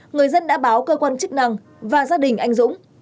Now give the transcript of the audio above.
người dân đã báo cơ quan chức năng và gia đình anh dũng